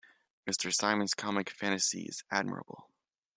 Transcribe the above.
Mr. Simon's comic fancy is admirable.